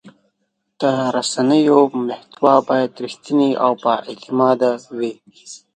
د رسنیو محتوا باید رښتینې او بااعتماده وي.